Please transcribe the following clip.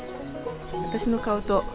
私の顔と。